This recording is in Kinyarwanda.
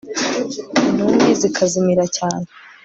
intumbi zikazimira cyane